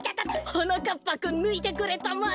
はなかっぱくんぬいてくれたまえ。